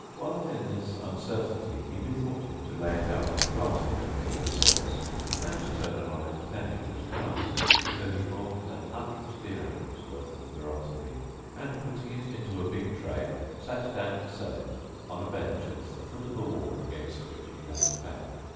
While in this uncertainty he bethought him to lay it out on glass ware of all sorts and turn an honest penny on its price. So he bought an hundred dirhams worth of verroterie and, putting it into a big tray, sat down to sell it on a bench at the foot of a wall against which he leant back.